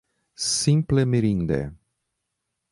Simple mirinde!